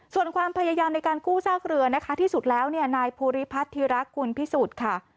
ส่วนความพยายามในการกู้ซากเรือนะคะที่สุดแล้วเนี่ยนายภูริพัฒนธิรักกุลพิสุทธิ์ค่ะ